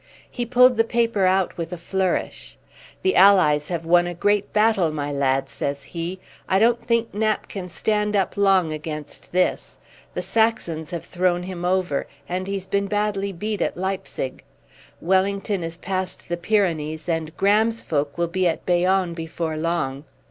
He pulled the paper out with a flourish. "The allies have won a great battle, my lad," says he. "I don't think Nap can stand up long against this. The Saxons have thrown him over, and he's been badly beat at Leipzig. Wellington is past the Pyrenees, and Graham's folk will be at Bayonne before long."